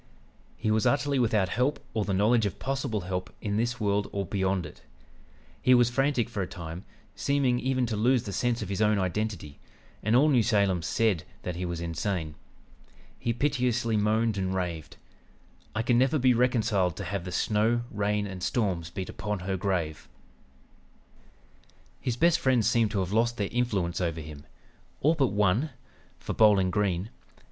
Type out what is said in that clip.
He was utterly without help or the knowledge of possible help in this world or beyond it. He was frantic for a time, seeming even to lose the sense of his own identity, and all New Salem said that he was insane. He piteously moaned and raved: "'I never can be reconciled to have the snow, rain, and storms beat upon her grave.' "His best friends seemed to have lost their influence over him, ... all but one; for Bowling Green